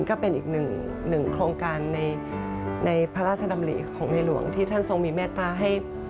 ก็เป็นอีกหนึ่งโครงการในพระราชดำริของในหลวงที่ท่านทรงมีเมตตาให้